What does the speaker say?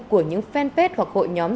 của những fanpage hoặc hội nhóm